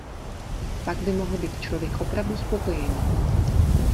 Pak by mohl být člověk opravdu spokojený.